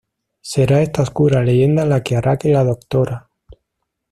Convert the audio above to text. Será esta oscura leyenda la que hará que la Dra.